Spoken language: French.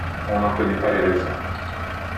On n'en connaît pas les raisons.